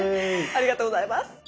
ありがとうございます。